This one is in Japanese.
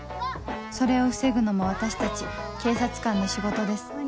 それを防ぐのも私たち警察官の仕事です